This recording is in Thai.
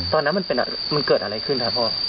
ตอนนั้นมันเกิดอะไรขึ้นครับพ่อ